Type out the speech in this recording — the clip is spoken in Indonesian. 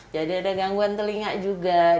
jadi ada gangguan telinga juga